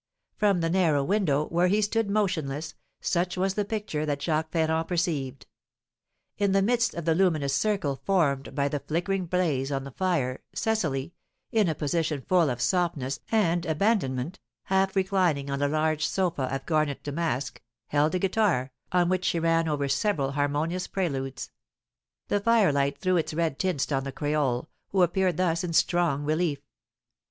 From the narrow window, where he stood motionless, such was the picture that Jacques Ferrand perceived. In the midst of the luminous circle formed by the flickering blaze on the fire Cecily, in a position full of softness and abandonnement, half reclining on a large sofa of garnet damask, held a guitar, on which she ran over several harmonious preludes. The fire light threw its red tints on the creole, who appeared thus in strong relief.